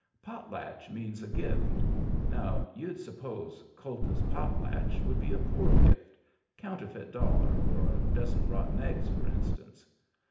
Potlatch means a gift. Now you'd suppose kultus potlatch would be a poor gift — counterfeit dollar or a dozen rotten eggs, for instance.